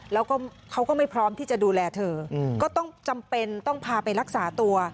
แล้วก็เขาก็ไม่พร้อมที่จะดูแลเธอก็ต้องจำเป็นต้องพาไปรักษาตัว